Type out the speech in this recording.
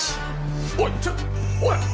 おいちょっおい！